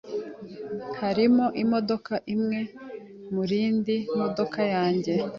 Hariho imodoka imwe murindi modoka yanjye.